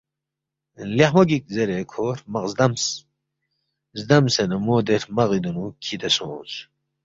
لیخمو گِک زیرے کھو ہرمق زدمس، زدمسے نہ مو دے ہرمغی دُونو کِھدے سونگس